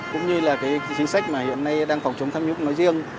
cũng như là chính sách mà hiện nay đang phòng chống tham nhũng nói riêng